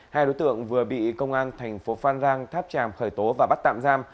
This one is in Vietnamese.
hai đối tượng vừa bị công an thành phố phan rang tháp tràm khởi tố và bắt tạm giam